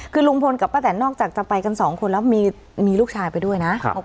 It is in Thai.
คือลุงพลกับป้าแตนนอกจากจะไปกันสองคนแล้วมีลูกชายไปด้วยนะ